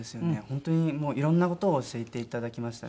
本当にいろんな事を教えていただきましたね。